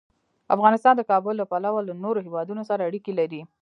افغانستان د کابل له پلوه له نورو هېوادونو سره اړیکې لري.